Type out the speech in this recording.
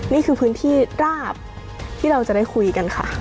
นี่คือพื้นที่ราบที่เราจะได้คุยกันค่ะ